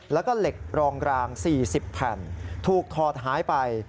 แล้วก็เหล็กรองราง๔๐แผ่นถูกถอดหายไป